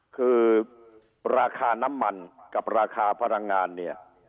คือราคาน้ำมันกับราคาพลังงานเนี่ย